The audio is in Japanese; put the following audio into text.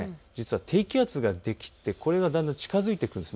低気圧ができて、これがだんだん近づいてくるんです。